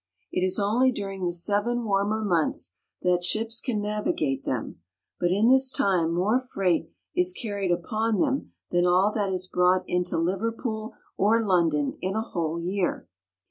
It is only^ during the seven warmer months AWhaleback. that ships can navigate them ; but in this time more freight is carried upon them than all that is brought into Liverpool or London in a whole year.